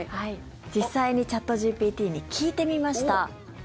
実際にチャットＧＰＴに聞いてみました。